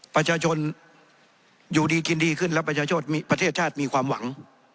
ประชาชนอยู่ดีกินดีขึ้นแล้วประเทศชาติมีความหวัง